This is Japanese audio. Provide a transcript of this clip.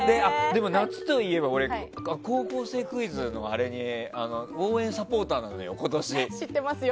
でも、夏といえば「高校生クイズ」の応援サポーターなのよ、今年。